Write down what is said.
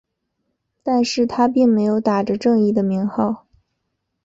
但是他并没有打着正义的名号。